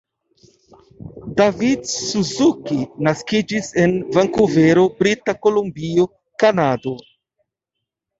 David Suzuki naskiĝis en Vankuvero, Brita Kolumbio, Kanado.